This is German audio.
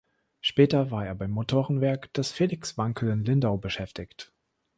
Später war er beim Motorenwerk des Felix Wankel in Lindau beschäftigt.